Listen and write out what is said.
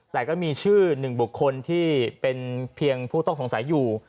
แต่ก็มีชื่อหนึ่งบุคคลที่เป็นเพียงผู้ต้องสงสัยอยู่